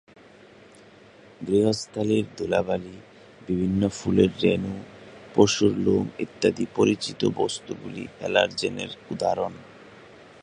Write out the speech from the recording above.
গৃহস্থালির ধুলাবালি, বিভিন্ন ফুলের রেণু, পশুর লোম ইত্যাদি পরিচিত বস্ত্তগুলি অ্যালার্জেনের উদাহরণ।